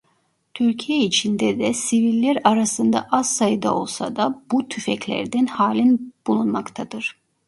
Türkiye içinde de siviller arasında az sayıda olsa da bu tüfeklerden halen bulunmaktadır.